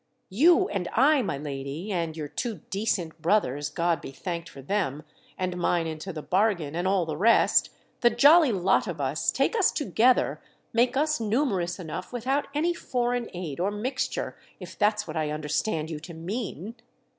"You and I, my lady, and your two decent brothers, God be thanked for them, and mine into the bargain, and all the rest, the jolly lot of us, take us together—make us numerous enough without any foreign aid or mixture: if that's what I understand you to mean!"